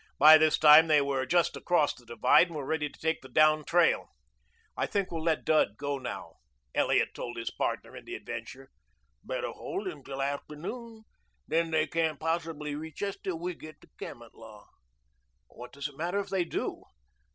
By this time they were just across the divide and were ready to take the down trail. "I think we'll let Dud go now," Elliot told his partner in the adventure. "Better hold him till afternoon. Then they can't possibly reach us till we get to Kamatlah." "What does it matter if they do?